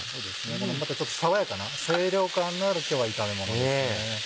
またちょっと爽やかな清涼感のある今日は炒め物ですね。